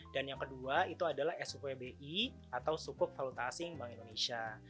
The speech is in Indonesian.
dan yang kedua itu adalah svbi atau sukup valuta asing bank indonesia